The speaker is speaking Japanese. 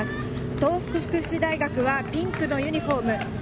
東北福祉大学はピンクのユニホーム。